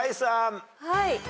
はい。